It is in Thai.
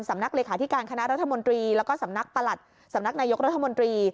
เลขาธิการคณะรัฐมนตรีแล้วก็สำนักประหลัดสำนักนายกรัฐมนตรี